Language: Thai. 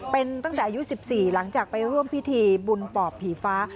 เป็นตั้งแต่อายุ๑๔หลังจากไปร่วมพิธีบุญปอบผีฟ้า